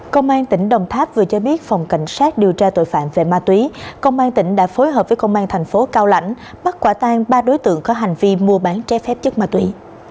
công an tỉnh đồng tháp vừa cho biết phòng cảnh sát điều tra tội phạm về ma túy công an tỉnh đã phối hợp với công an thành phố cao lãnh bắt quả tan ba đối tượng có hành vi mua bán trái phép chất ma túy